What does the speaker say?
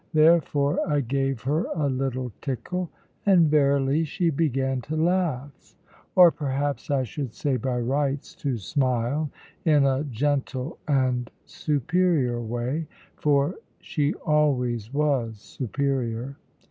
Therefore I gave her a little tickle; and verily she began to laugh, or perhaps I should say by rights to smile, in a gentle and superior way for she always was superior.